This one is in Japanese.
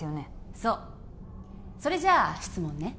そうそれじゃあ質問ね